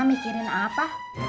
mak mikirin apa